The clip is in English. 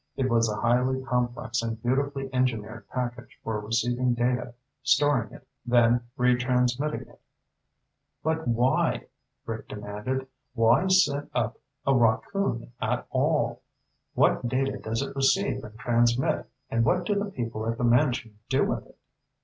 It was a highly complex and beautifully engineered package for receiving data, storing it, then retransmitting it. "But why?" Rick demanded. "Why send up a rockoon at all? What data does it receive and transmit, and what do the people at the mansion do with it?"